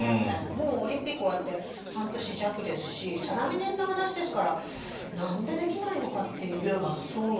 オリンピックが終わってもう半年弱ですし再来年の話ですから何でできないのかっていうのが。